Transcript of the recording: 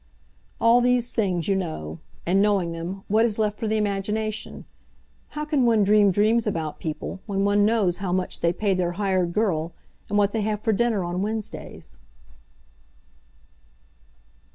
All these things you know. And knowing them, what is left for the imagination? How can one dream dreams about people when one knows how much they pay their hired girl, and what they have for dinner on Wednesdays?